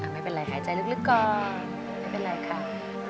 ไม่เป็นไรหายใจลึกก่อนไม่เป็นไรค่ะ